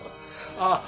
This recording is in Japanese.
ああ